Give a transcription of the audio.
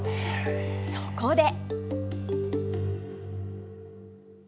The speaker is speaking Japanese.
そこで。